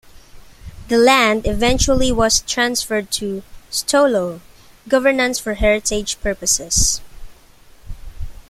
The land eventually was transferred to Sto:lo governance for heritage purposes.